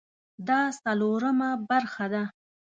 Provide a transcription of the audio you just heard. دا څلورمه برخه ده